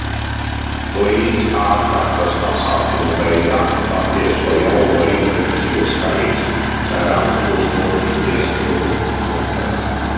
Līdz ārkārtas pasākumu beigām patieso jauno infekciju skaits, cerams, būs nokrities tuvu nullei.